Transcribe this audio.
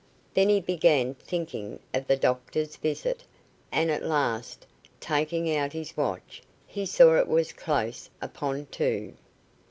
Then he began thinking of the doctor's visit, and at last, taking out his watch, he saw it was close upon two.